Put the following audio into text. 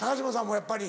やっぱり。